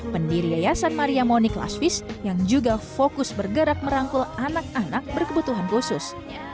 pendiri yayasan maria moniq lasvis yang juga fokus bergerak merangkul anak anak berkebutuhan khusus